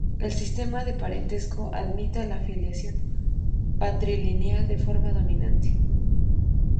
El sistema de parentesco admitía la filiación patrilineal de forma dominante.